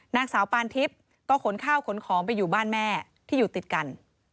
นางสาวปานทิพย์ก็ขนข้าวขนของไปอยู่บ้านแม่ที่อยู่ติดกัน